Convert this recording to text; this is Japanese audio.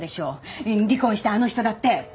離婚したあの人だって！